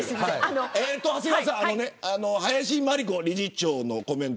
長谷川さん林真理子理事長のコメント。